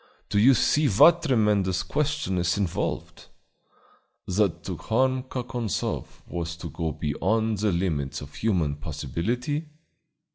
Don't you see what a tremendous question is involved? That to harm Kakonzoff was to go beyond the limits of human possibility?"